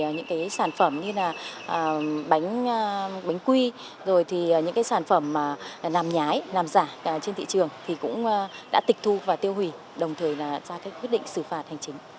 những sản phẩm như bánh quy những sản phẩm làm nhái làm giả trên thị trường cũng đã tịch thu và tiêu hủy đồng thời ra quyết định xử phạt hành chính